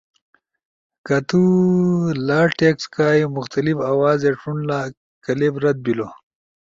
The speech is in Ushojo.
کہ تو لہ ٹیکسٹ کائی مختلف آوازے ݜونلا، کلپ رد بیلو۔